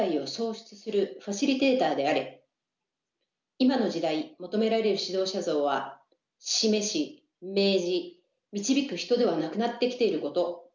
今の時代求められる指導者像は示し命じ導く人ではなくなってきていること。